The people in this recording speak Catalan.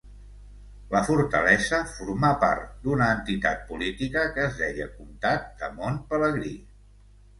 La fortalesa formà part d'una entitat política que es deia Comtat de Mont Pelegrí.